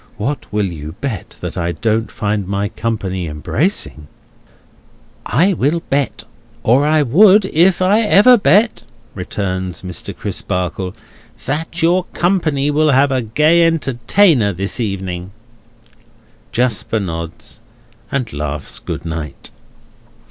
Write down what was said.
What will you bet that I don't find my company embracing?" "I will bet—or I would, if ever I did bet," returns Mr. Crisparkle, "that your company will have a gay entertainer this evening." Jasper nods, and laughs good night!